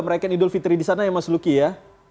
mereka idul fitri di sana ya mas lucky ya